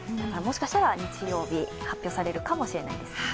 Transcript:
もしかしたら日曜日、発表されるかもしれないです。